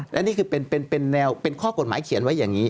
และนี่คือเป็นแนวเป็นข้อกฎหมายเขียนไว้อย่างนี้